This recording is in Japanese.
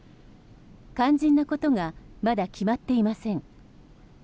肝心なことがまだ決まっていません。